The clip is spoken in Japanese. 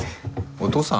お父さん？